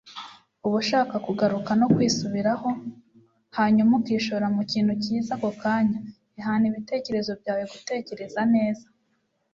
uba ushaka kugaruka no kwisubiraho hanyuma ukishora mu kintu cyiza ako kanya. ihana ibitekerezo byawe gutekereza neza